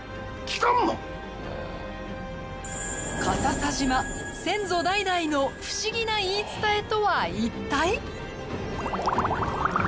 笠佐島先祖代々の不思議な言い伝えとは一体？